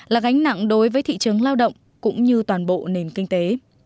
là gánh nặng đối với thị trường lao động cũng như toàn bộ nền kinh tế